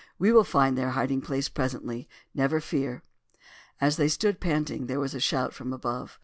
We will find their hiding place presently, never fear." As they stood panting there was a shout from above.